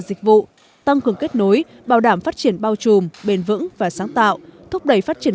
dịch vụ tăng cường kết nối bảo đảm phát triển bao trùm bền vững và sáng tạo thúc đẩy phát triển